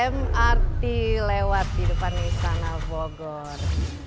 mrt lewat di depan istana bogor